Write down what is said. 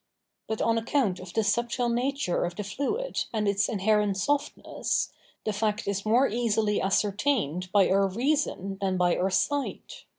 But on account of the subtile nature of the fluid and its inherent softness, the fact is more easily ascertained by our reason than by our sight.